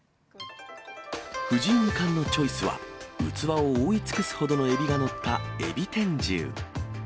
藤井二冠のチョイスは、器を覆い尽くすほどの海老が載った海老天重。